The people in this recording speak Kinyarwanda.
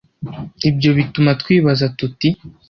Ibyo bituma twibaza tuti,